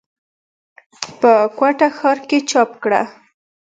پۀ کوټه ښارکښې چاپ کړه ۔